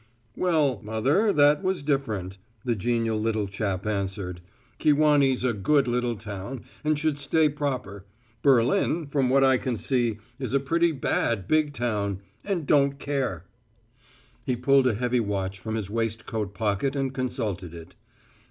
"Well, mother, that was different," the genial little chap answered. "Kewanee's a good little town, and should stay proper. Berlin, from what I can see, is a pretty bad big town and don't care." He pulled a heavy watch from his waistcoat pocket and consulted it.